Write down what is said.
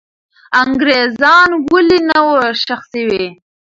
انګریزان ولې نه وو ښخ سوي؟